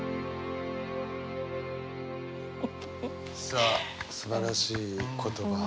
さあすばらしい言葉。